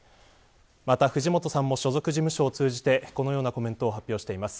また、藤本さんも所属事務所を通じてこのようなコメントを発表しています。